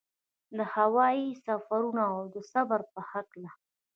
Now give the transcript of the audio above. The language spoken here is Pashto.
د هوايي سفرونو او صبر په هکله.